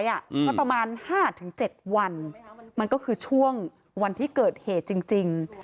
ก็ประมาณ๕๗วันมันก็คือช่วงวันที่เกิดเหตุจริง